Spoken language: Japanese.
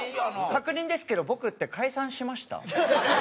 確認ですけど僕って解散しました？